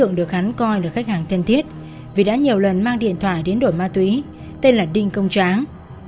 trong số hai mươi năm điện thoại này trung gọi là khách hàng thân thiết vì đã nhiều lần mang điện thoại đến đổi máu tùy tên là đinh công tráng